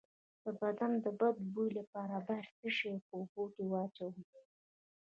د بدن د بد بوی لپاره باید څه شی په اوبو کې واچوم؟